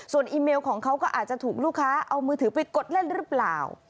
ส่วนอีเมลของเขาก็อาจจะถูกลูกค้าเอามือถือไปกดเล่นหรือเปล่า